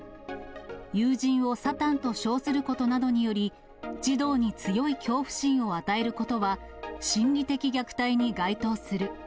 友人をサタンと称することなどにより、児童に強い恐怖心を与えることは心理的虐待に該当する。